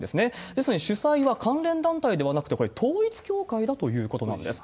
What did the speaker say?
ですので、主催は関連団体ではなくて、これ統一教会だということなんです。